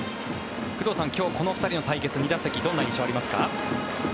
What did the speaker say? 工藤さん、今日この２人の対決２打席どんな印象がありますか。